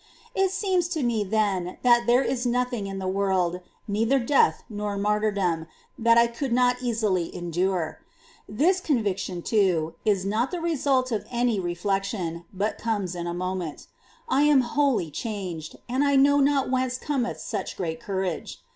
It seems to me then that there is nothing in the world, neither death nor martyr dom, that I could not easily endure. This conviction, too, is not the result of any reflection, but comes in a moment. I am wholly changed, and I know not whence cometh such great courage.